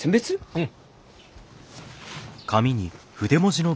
うん。